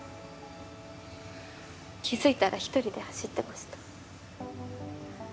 気付いたら一人で走ってました。